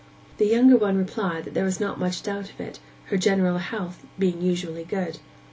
The younger one replied that there was not much doubt of it, her general health being usually good.